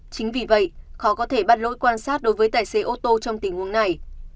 chính vì vậy khó có thể bắt lỗi quan sát đối với tài xế ô tô trong tình huống này